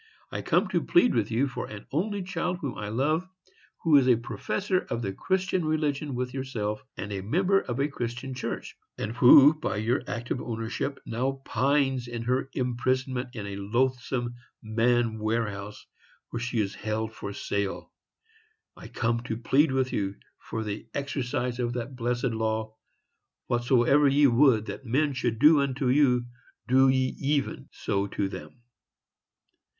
I come to plead with you for an only child whom I love, who is a professor of the Christian religion with yourself, and a member of a Christian church; and who, by your act of ownership, now pines in her imprisonment in a loathsome man warehouse, where she is held for sale! I come to plead with you for the exercise of that blessed law, "Whatsoever ye would that men should do unto you, do ye even so to them."